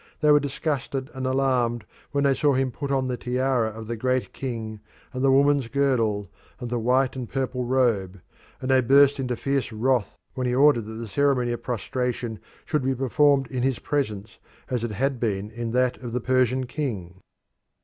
They were disgusted and alarmed when they saw him put on the tiara of the Great King, and the woman's girdle, and the white and purple robe, and they burst into fierce wrath when he ordered that the ceremony of prostration should be performed in his presence as it had been in that of the Persian king.